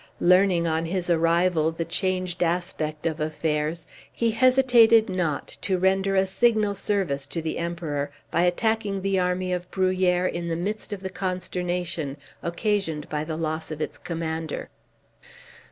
Learning on his arrival the changed aspect of affairs, he hesitated not to render a signal service to the Emperor, by attacking the army of Bruhier in the midst of the consternation occasioned by the loss of its commander.